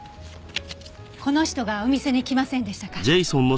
この人がお店に来ませんでしたか？